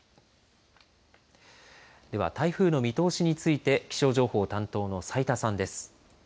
では台風の見通しについて気象情報担当の斉田さんです。